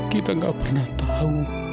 kita gak pernah tahu